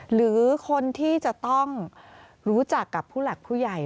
หรือคนที่จะต้องรู้จักกับผู้หลักผู้ใหญ่